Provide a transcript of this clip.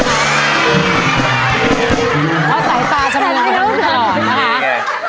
เพราะใส่ตาชะมัด